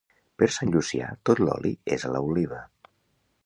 Per Sant Llucià, tot l'oli és a l'oliva.